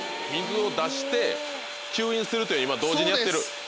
水を出して吸引すると今同時にやってる？